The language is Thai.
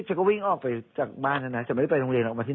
ฉันก็วิ่งออกไปกลักบาน